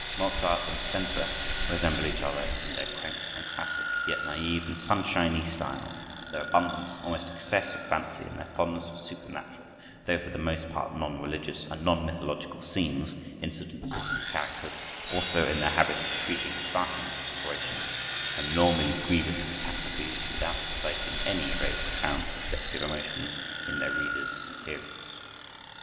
Mozart and Spenser resemble each other in their quaint and classic, yet naïve and sunshiny style, their abundance, almost excess of fancy, and their fondness for supernatural, though for the most part non religious and non mythological scenes, incidents, and characters; also in their habit of treating startling situations and normally grievous catastrophes without exciting any very profound subjective emotions in their readers and hearers.